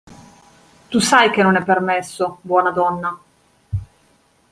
Tu sai che non è permesso, buona donna.